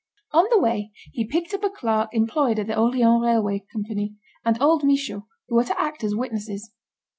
On the way, he picked up a clerk employed at the Orleans Railway Company, and old Michaud, who were to act as witnesses.